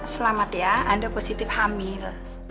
selamat ya anda positif hamil